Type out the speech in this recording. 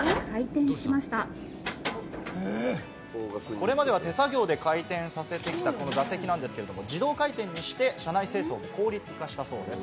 これまでは手作業で回転させていた座席なんですけれども、自動回転にして車内清掃も効率化したそうです。